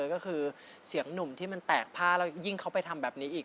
ก็คือเสียงหนุ่มที่มันแตกผ้าแล้วยิ่งเขาไปทำแบบนี้อีก